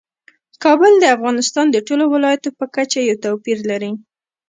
کابل د افغانستان د ټولو ولایاتو په کچه یو توپیر لري.